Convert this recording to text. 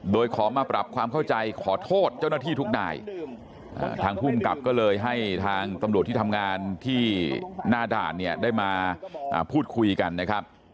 โดยขอมาปรับความเข้าใจขอโทษเจ้าหน้าที่ทุกนายทางภูมิกับก็เลยให้ทางตำรวจที่ทำงานที่หน้าด่านเนี่ยได้มาพูดคุยกันนะครับ